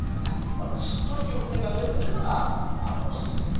なのでしっとり今日みたく揚げるっていうのがコツですね。